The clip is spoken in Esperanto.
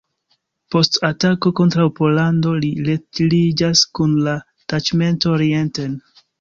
Post atako kontraŭ Pollando li retiriĝas kun la taĉmento orienten.